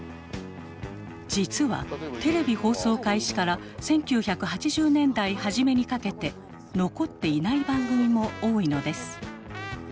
実はテレビ放送開始から１９８０年代初めにかけて残っていない番組も多いのです。